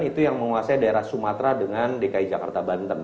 itu yang menguasai daerah sumatera dengan dki jakarta banten